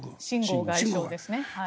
秦剛外相ですね。